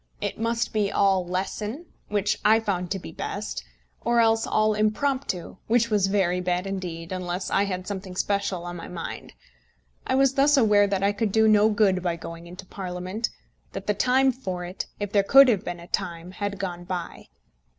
It must be all lesson, which I found to be best; or else all impromptu, which was very bad indeed, unless I had something special on my mind. I was thus aware that I could do no good by going into Parliament, that the time for it, if there could have been a time, had gone by.